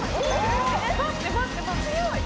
強い！